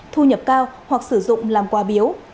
thu nhập cao hoặc sử dụng làm quà biếu